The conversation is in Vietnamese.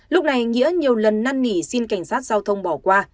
lúc này nghĩa nhiều lần năn nỉ xin cảnh sát giao thông bỏ qua